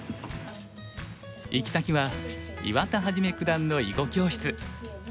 行き先は岩田一九段の囲碁教室。